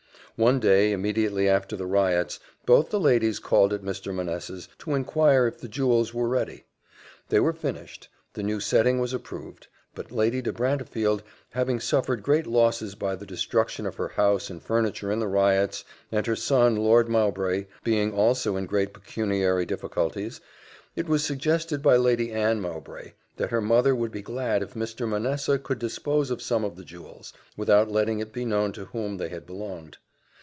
One day, immediately after the riots, both the ladies called at Mr. Manessa's, to inquire if the jewels were ready. They were finished; the new setting was approved: but Lady de Brantefield having suffered great losses by the destruction of her house and furniture in the riots, and her son, Lord Mowbray, being also in great pecuniary difficulties, it was suggested by Lady Anne Mowbray, that her mother would be glad if Mr. Manessa could dispose of some of the jewels, without letting it be known to whom they had belonged.